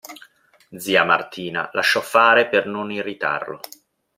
Zia Martina lasciò fare per non irritarlo.